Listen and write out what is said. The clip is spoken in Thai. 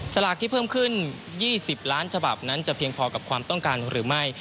สลากที่เพิ่มขึ้น๒๐ล้านฉบับนั้นจะเพียงพอกับความต้องการหรือไม่